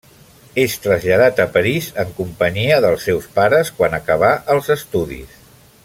És traslladat a París en companyia dels seus pares quan acabà els estudis.